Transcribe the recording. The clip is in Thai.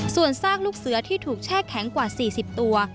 ส่วนซากลูกเสือที่ถูกแช่แข็งกว่า๔๐ตัว